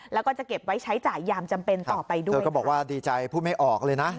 แล้วก็จะเก็บไว้ใช้จ่ายยามจำเป็นต่อไปด้วยเธอก็บอกว่าดีใจพูดไม่ออกเลยนะ